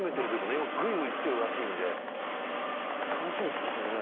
今グイグイきてるらしいんで楽しみっすねそれね。